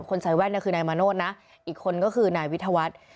ใส่แว่นเนี่ยคือนายมาโนธนะอีกคนก็คือนายวิทยาวัฒน์